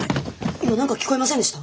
今何か聞こえませんでした？